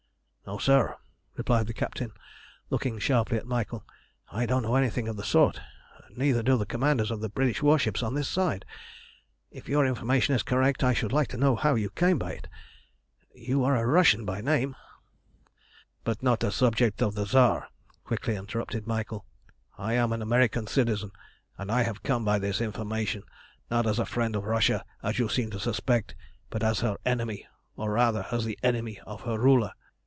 "No, sir," replied the captain, looking sharply at Michael. "I don't know anything of the sort, neither do the commanders of the British warships on this side. If your information is correct, I should like to know how you came by it. You are a Russian by name" "But not a subject of the Tsar," quickly interrupted Michael. "I am an American citizen, and I have come by this information not as the friend of Russia, as you seem to suspect, but as her enemy, or rather as the enemy of her ruler.